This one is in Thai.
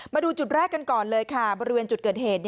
มาดูจุดแรกกันก่อนเลยค่ะบริเวณจุดเกิดเหตุ